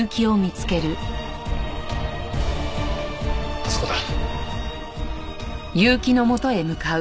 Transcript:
あそこだ！